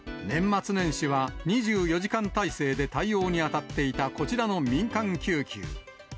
年末年始は２４時間体制で対応に当たっていたこちらの民間救急。